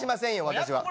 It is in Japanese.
私は。